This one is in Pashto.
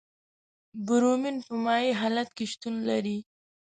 برومین په مایع حالت کې شتون لري.